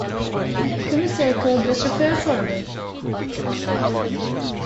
The Commissaire called the chauffeur forward.